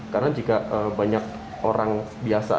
karena jika banyak orang biasa